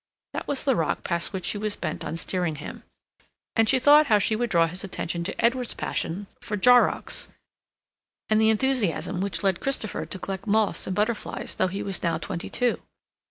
That was the rock past which she was bent on steering him. And she thought how she would draw his attention to Edward's passion for Jorrocks, and the enthusiasm which led Christopher to collect moths and butterflies though he was now twenty two.